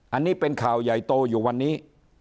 อันนี้เป็นข่าวใหญ่โตอยู่วันนี้